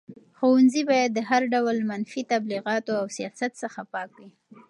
ښوونځي باید د هر ډول منفي تبلیغاتو او سیاست څخه پاک وي.